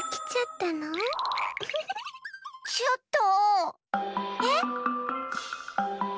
ちょっと。